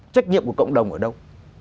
trách nhiệm của cộng đồng ở đâu